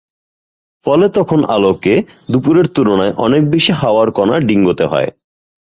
ফলে তখন আলোকে দুপুরের তুলনায় অনেক বেশি হাওয়ার কণা ডিঙোতে হয়।